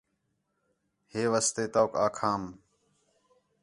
ہے واسطے توک آکھام